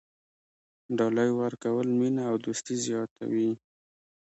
ډالۍ ورکول مینه او دوستي زیاتوي.